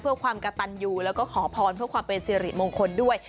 เพื่อความกระตันอยู่แล้วก็ขอพรเพื่อความเป็นสิริมงคลด้วย